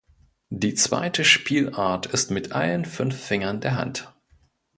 Die zweite Spielart ist mit allen fünf Fingern der Hand.